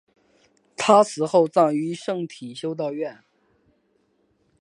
她死后葬于圣体修道院。